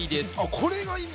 これが意味